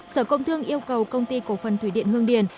sở công thương yêu cầu công ty cổ phần thủy điện hương điền